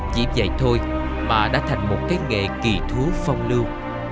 chỉ vậy thôi mà đã thành một cái nghề kỳ thú phong lưu